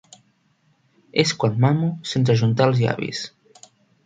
És quan mamo sense ajuntar els llavis.